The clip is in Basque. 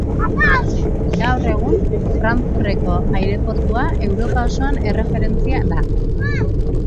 Gaur egun Frankfurteko aireportua Europa osoan erreferentzia da.